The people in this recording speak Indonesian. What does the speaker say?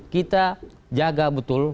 kita jaga betul